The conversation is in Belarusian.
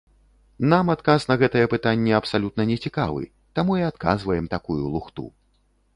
Нам адказ на гэтае пытанне абсалютна не цікавы, таму і адказваем такую лухту.